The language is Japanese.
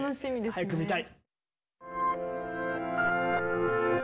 早く見たい。